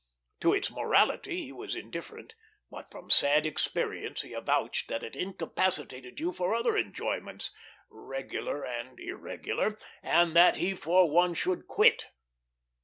To its morality he was indifferent; but from sad experience he avouched that it incapacitated you for other enjoyments, regular and irregular, and that he for one should quit.